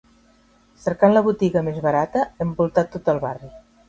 Cercant la botiga més barata, hem voltat tot el barri.